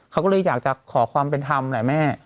เขาก็เลยอยากจะขอความเป็นธรรมแหละแม่